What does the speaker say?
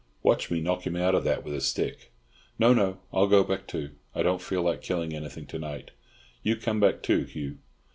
Watch me knock him out of that with a stick." "No, no, I'll go back, too. I don't feel like killing anything to night. You come back too, Hugh."